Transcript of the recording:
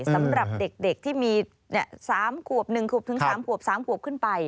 สำหรับเด็กที่มี๓ขวบ๑ขวบถึง๓ขวบ๓ขวบขึ้นไป